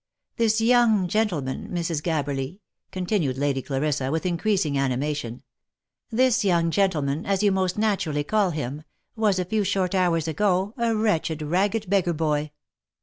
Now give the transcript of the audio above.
This young gentleman, Mrs. Gabberly," continued Lady Clarissa, with increasing animation, " this young gentleman as you most naturally call him, was a few short hours ago, a wretched, ragged beggar boy